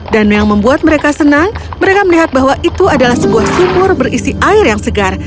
dan yang membuat mereka senang mereka melihat bahwa itu adalah sebuah sumur berisi air yang segar